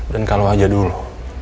dan kalau aja dulu